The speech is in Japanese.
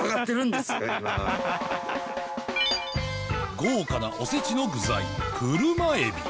豪華なおせちの具材車エビ